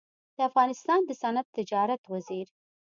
د افغانستان د صنعت تجارت وزیر